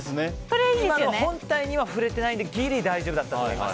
本体に触れていないのでギリ大丈夫だと思います。